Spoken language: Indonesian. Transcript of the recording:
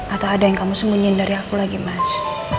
atau ada yang kamu sembunyiin dari aku lagi mas